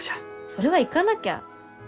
それは行かなきゃ。